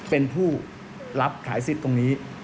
เป็นผู้รับขายสิทธิ์